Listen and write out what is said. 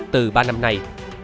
từ ba năm nay